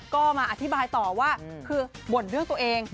ก็มาอธิบายต่อว่าคือบ่นเรื่องตัวเอง